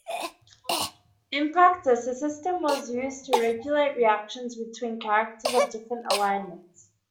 In practice the system was used to regulate reactions between characters of different alignments.